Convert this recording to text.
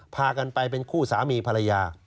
พากันไปเป็นคู่สามีภรรยา